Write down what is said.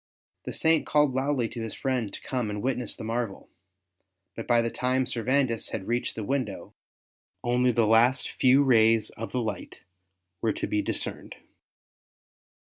The Saint called loudly to his friend to come and witness the marvel, but by the time Servandus had reached the window only the few last rays of the light were to be discerned.